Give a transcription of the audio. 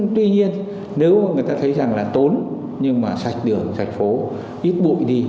tuy nhiên nếu người ta thấy rằng là tốn nhưng mà sạch đường sạch phố ít bụi đi